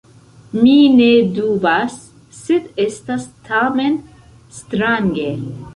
Mi ne dubas, sed estas tamen strange.